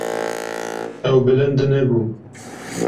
Ew bilind nebû.